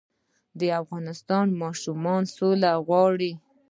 د افغانستان ماشومان سوله غواړي